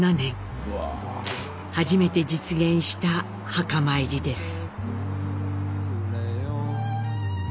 初めて実現した墓参りです。